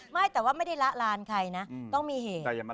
ไม่แต่ว่าไม่ได้ละลานใครนะต้องมีเหตุ